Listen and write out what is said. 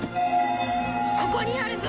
ここにあるぞ！